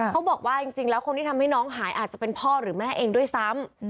เขาบอกว่าจริงแล้วคนที่ทำให้น้องหายอาจจะเป็นพ่อหรือแม่เองด้วยซ้ำ